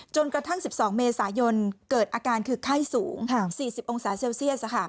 กระทั่ง๑๒เมษายนเกิดอาการคือไข้สูง๔๐องศาเซลเซียส